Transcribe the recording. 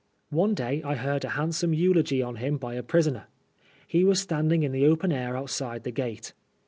One day I heard a handsome eulogy on him by a prisoner. He was standing in the open air outside the gate.